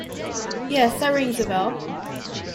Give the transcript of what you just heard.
Yes, that rings a bell.